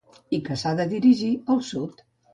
I que s’ha de dirigir al sud.